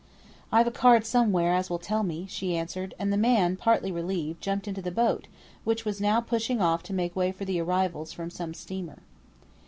"I've a card somewhere as will tell me," she answered, and the man, partly relieved, jumped into the boat, which was now pushing off to make way for the arrivals from some steamer.